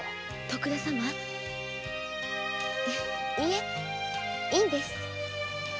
徳田様いえいいんです。